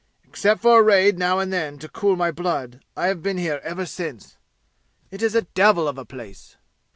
Except for a raid now and then to cool my blood I have been here ever since. It is a devil of a place."